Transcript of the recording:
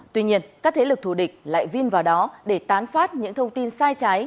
tuy nhiên các thế lực thù địch lại vin vào đó để tán phát những thông tin sai trái